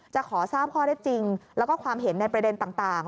จะขอทราบข้อได้จริงแล้วก็ความเห็นในประเด็นต่าง